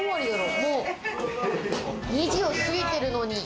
もう２時を過ぎてるのに。